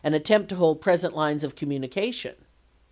'' attempt to hold present lines of communication."